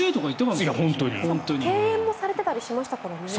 敬遠もされてたりしましたからね。